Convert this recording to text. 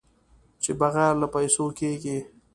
چې بغیر له پېسو کېږي.